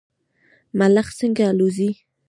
ملخ څنګه الوځي؟